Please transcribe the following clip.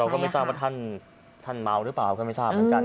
ก็ไม่ทราบว่าท่านเมาหรือเปล่าก็ไม่ทราบเหมือนกัน